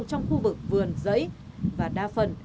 trong khu vực vườn giấy và đa phần